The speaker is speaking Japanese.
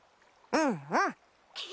うんうん。